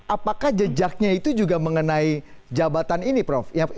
apakah jejaknya itu juga mengenai jabatan ini prof